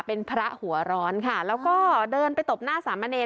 เป็นพระหัวร้อนค่ะแล้วก็เดินไปตบหน้าสามเณร